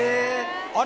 あれ